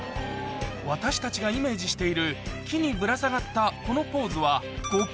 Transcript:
私たちがイメージしている木にぶら下がったこのポーズは５％。